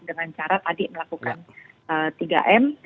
dengan cara tadi melakukan tiga m